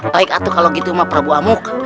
baik aku kalau gitu sama prabu amuk